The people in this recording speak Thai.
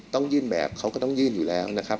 ต้องยื่นแบบเขาก็ต้องยื่นอยู่แล้วนะครับ